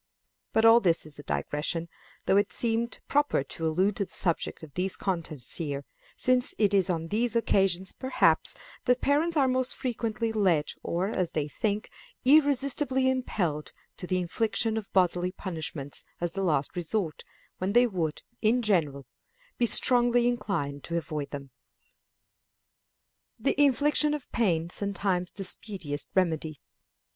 But all this is a digression, though it seemed proper to allude to the subject of these contests here, since it is on these occasions, perhaps, that parents are most frequently led, or, as they think, irresistibly impelled, to the infliction of bodily punishments as the last resort, when they would, in general, be strongly inclined to avoid them. The Infliction of Pain sometimes the speediest Remedy.